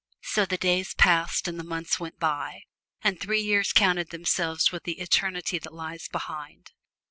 So the days passed, and the months went by, and three years counted themselves with the eternity that lies behind.